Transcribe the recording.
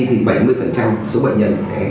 thì bảy mươi số bệnh nhân sẽ